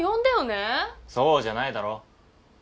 そうじゃないだろ。